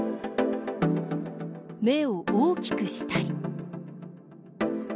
目を大きくしたり。